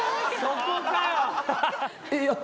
そこかよ